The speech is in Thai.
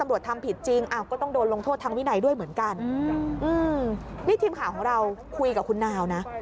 นี่ทีมข่าวของเราคุยกับคุณนาวณ์นะ